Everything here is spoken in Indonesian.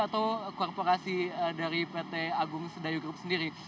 atau korporasi dari pt agung sedayu group sendiri